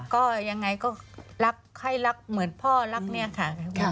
ก็ยังไงก็รักไข้รักเหมือนพ่อรักเนี่ยค่ะ